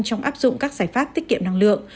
trong áp dụng các giải pháp tiết kiệm năng lượng